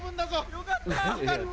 よかった！